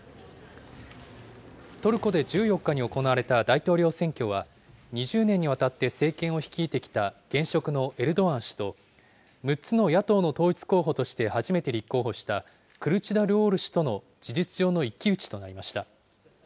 トルコで１４日に行われた大統領選挙は、２０年にわたって政権を率いてきた現職のエルドアン氏と、６つの野党の統一候補として初めて立候補したクルチダルオール氏との事実上の一騎打ちとなりました。